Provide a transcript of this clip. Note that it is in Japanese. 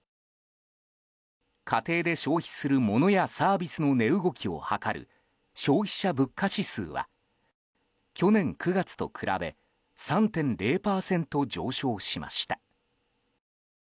家庭で消費する物やサービスの値動きを測る消費者物価指数は去年９月と比べ３．０％上昇しました。